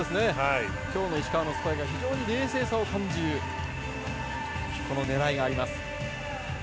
今日の石川のスパイクは非常に冷静さを感じる狙いがあります。